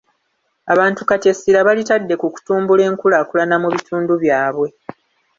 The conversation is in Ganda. Abantu kati essira balitadde ku kutumbula enkulaakulana mu bitundu byabwe.